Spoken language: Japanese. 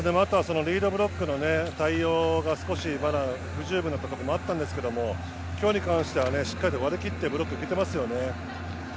リードブロックの対応がまだ不十分なところがあったんですが今日に関してはしっかりと割り切ってブロックに行けていますよね。